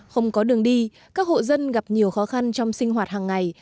không có đường đi các hộ dân gặp nhiều khó khăn trong sinh hoạt hàng ngày